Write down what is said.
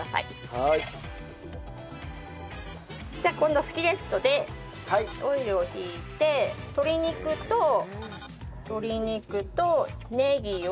はーい。じゃあ今度はスキレットでオイルを引いて鶏肉と鶏肉とねぎを。